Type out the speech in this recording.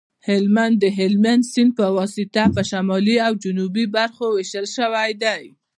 هلمند د هلمند سیند په واسطه په شمالي او جنوبي برخو ویشل شوی دی